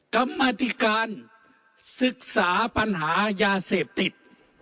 กรรมอธิการศึกษาปัญหายาเสพติด